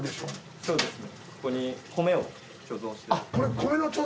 そうですね